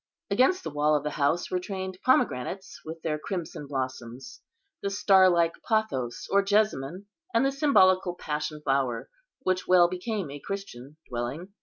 Against the wall of the house were trained pomegranates, with their crimson blossoms, the star like pothos or jessamine, and the symbolical passionflower, which well became a Christian dwelling.